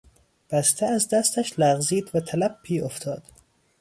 بسته از دستش لغزید و تلپی افتاد.